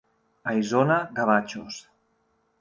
A Isona, gavatxos.